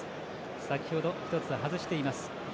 先ほど、１つ外しています。